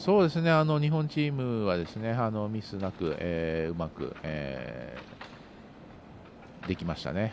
日本チームはミスなくうまくできましたね。